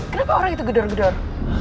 kenapa orang itu gedor gedor